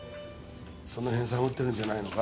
そのへん探ってるんじゃないのか？